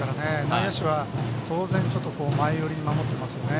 内野手は当然、前寄りに守っていますよね。